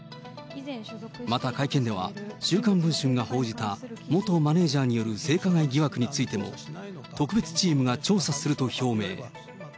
また会見では、週刊文春が報じた元マネージャーによる性加害疑惑についても、特別チームが調査すると表明。